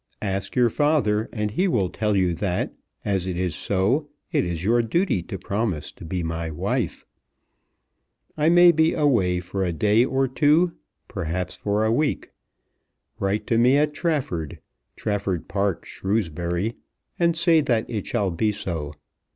Ask your father, and he will tell you that, as it is so, it is your duty to promise to be my wife. I may be away for a day or two, perhaps for a week. Write to me at Trafford, Trafford Park, Shrewsbury, and say that it shall be so.